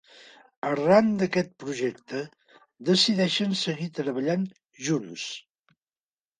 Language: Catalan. Arran d'aquest projecte decideixen seguir treballant junts.